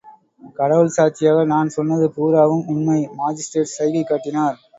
கடவுள் சாட்சியாக நான் சொன்னது பூராவும் உண்மை...! மாஜிஸ்திரேட் சைகை காட்டினார்.